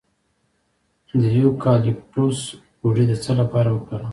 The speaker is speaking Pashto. د یوکالیپټوس غوړي د څه لپاره وکاروم؟